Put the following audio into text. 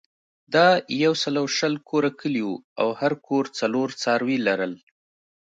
دا یو سل او شل کوره کلی وو او هر کور څلور څاروي لرل.